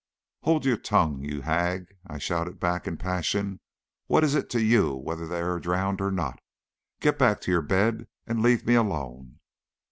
"Hold your tongue, you hag!" I shouted back in a passion. "What is it to you whether they are drowned or not? Get back to your bed and leave me alone."